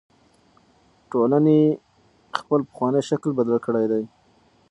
ټولنې خپل پخوانی شکل بدل کړی دی.